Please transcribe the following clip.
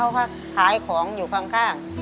เขาก็ขายของอยู่ข้าง